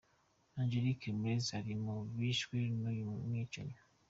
Angelique Ramirez ari mu bishwe n’uyu mwicanyi.